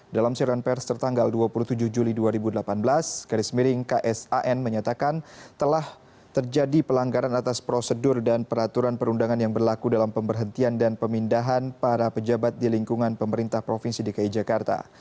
dalam siaran pers tertanggal dua puluh tujuh juli dua ribu delapan belas garis miring ks an menyatakan telah terjadi pelanggaran atas prosedur dan peraturan perundangan yang berlaku dalam pemberhentian dan pemindahan para pejabat di lingkungan pemerintah provinsi dki jakarta